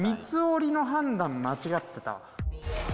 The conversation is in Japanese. ３つ折りの判断間違ってた。